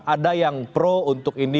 ada yang pro untuk ini